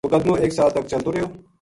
مقدمو ایک سال تک چلتو رہیو